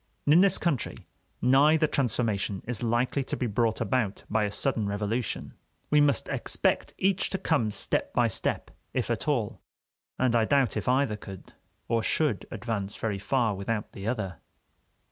In this country, neither transformation is likely to be brought about by a sudden revolution; we must expect each to come step by step, if at all, and I doubt if either could or should advance very far without the other.